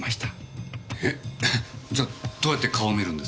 えっじゃあどうやって顔を見るんですか？